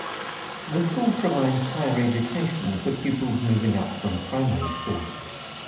The school provides higher education for puplis moving up from primary school.